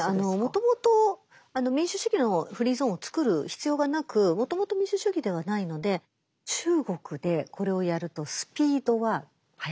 もともと民主主義のフリーゾーンを作る必要がなくもともと民主主義ではないので中国でこれをやるとスピードは速いです。